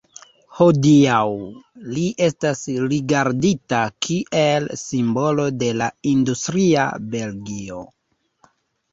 Hodiaŭ li estas rigardita kiel simbolo de la industria Belgio.